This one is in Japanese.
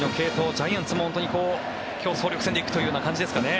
ジャイアンツも今日、総力戦で行くという感じですかね。